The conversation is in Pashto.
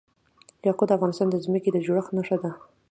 یاقوت د افغانستان د ځمکې د جوړښت نښه ده.